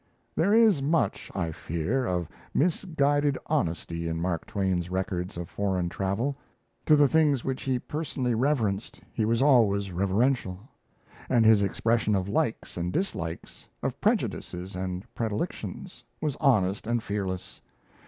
There is much, I fear, of misguided honesty in Mark Twain's records of foreign travel. To the things which he personally reverenced, he was always reverential; and his expression of likes and dislikes, of prejudices and predilections, was honest and fearless.